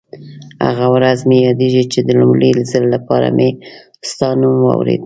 هغه ورځ مې یادېږي چې د لومړي ځل لپاره مې ستا نوم واورېد.